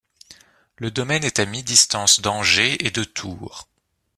Le domaine est à mi-distance d'Angers et de Tours.